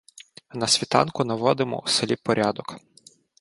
На світанку наводимо у селі порядок.